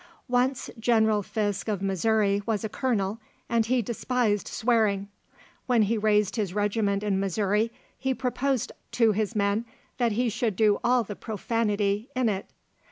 "Once General Fisk of Missouri was a Colonel, and he despised swearing. When he raised his regiment in Missouri, he proposed to his men that he should do all the profanity in it.